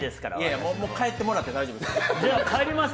もう帰ってもらっても大丈夫です。